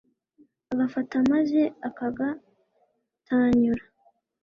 agafata maze akagatanyura